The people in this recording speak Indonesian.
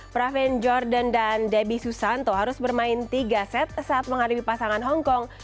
praven jordan dan debbie susanto harus bermain tiga set saat menghadapi pasangan hong kong